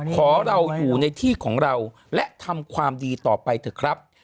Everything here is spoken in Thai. ขอเราอยู่ในที่ของเราและทำความดีต่อไปเถอะครับ